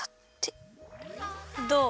どう？